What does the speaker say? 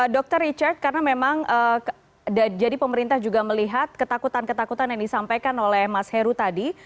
dr richard karena memang jadi pemerintah juga melihat ketakutan ketakutan yang disampaikan oleh mas heru tadi